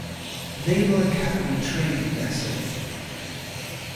Naval Academy training vessel.